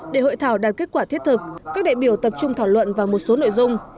để hội thảo đạt kết quả thiết thực các đại biểu tập trung thảo luận vào một số nội dung